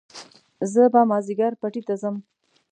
زه به مازيګر پټي ته ځم